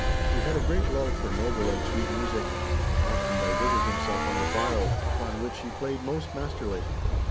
He had a great love for noble and sweet music, and often diverted himself on the viol, upon which he played most masterly.